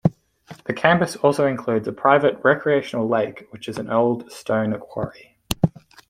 The campus also includes a private recreational lake which is an old stone quarry.